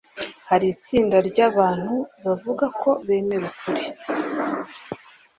Hari itsinda ry’abantu bavuga ko bemera ukuri,